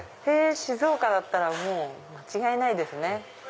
静岡だったらもう間違いないですね。